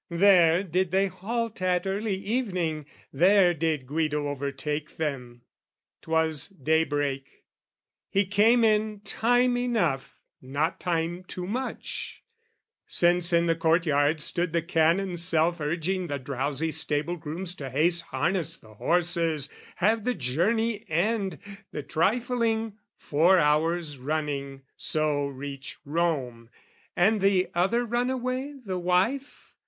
There did they halt at early evening, there Did Guido overtake them: 'twas day break; He came in time enough, not time too much, Since in the courtyard stood the Canon's self Urging the drowsy stable grooms to haste Harness the horses, have the journey end, The trifling four hour's running, so reach Rome. And the other runaway, the wife?